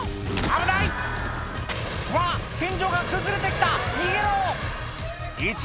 うわ天井が崩れて来た逃げろ！